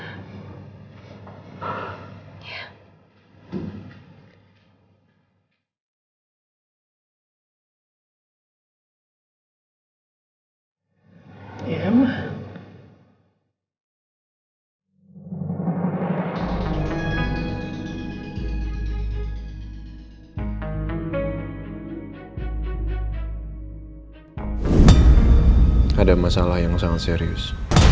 ada masalah yang sangat serius